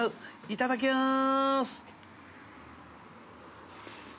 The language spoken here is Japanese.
いただきます。